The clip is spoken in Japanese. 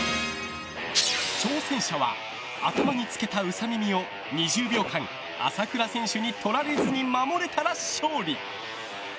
挑戦者は頭につけたウサ耳を２０秒間、朝倉選手にとられずに守れたら勝利！